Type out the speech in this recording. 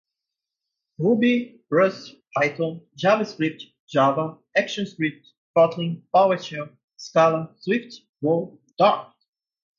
Ruby, rust, python, javascript, java, actionscript, kotlin, powershell, scala, swift, go, dart